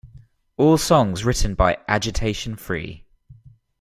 All songs written by Agitation Free.